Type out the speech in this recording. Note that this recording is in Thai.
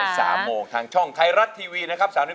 บ่าย๓โมงทางช่องไทรัตท์ทีวีนะครับ๓๒